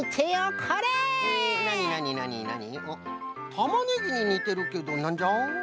たまねぎににてるけどなんじゃ？